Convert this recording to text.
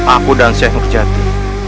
aku dan syahid nurjati